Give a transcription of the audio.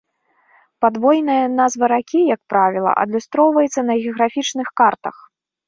Падвойная назва ракі, як правіла, адлюстроўваецца на геаграфічных картах.